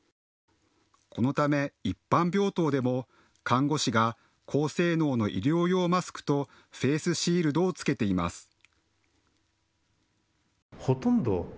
このため、一般病棟でも看護師が高性能の医療用マスクとフェースシールドを着けています。